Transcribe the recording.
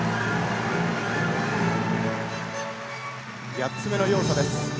８つ目の要素です。